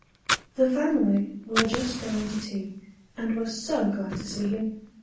The family were just going to tea, and were so glad to see him.